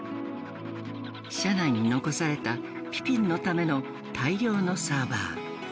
社内に残されたピピンのための大量のサーバー。